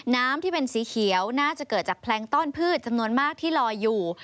น้ำที่เป็นสีเขียวน่าจะเกิดจากแพลงต้อนพืชจำนวนมากที่ลอยอยู่